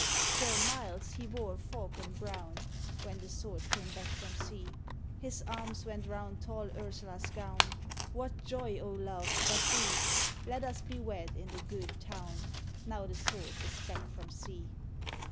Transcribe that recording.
_ Sir Miles he bore a falcon brown, When the Sword came back from sea; His arms went round tall Ursula's gown: What joy, O love, but thee? Let us be wed in the good town, _Now the Sword is back from sea!